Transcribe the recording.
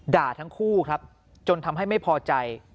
ด่าทั้งคู่ครับจนทำให้ไม่พอใจ